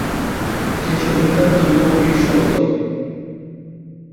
সে সব নিতান্তই লৌকিক শব্দ।